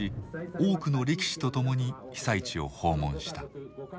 多くの力士と共に被災地を訪問した。